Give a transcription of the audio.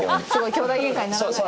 兄弟げんかにならない。